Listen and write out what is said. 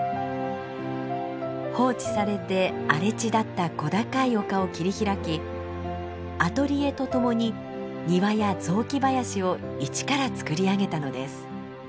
放置されて荒れ地だった小高い丘を切り開きアトリエとともに庭や雑木林を一からつくり上げたのです。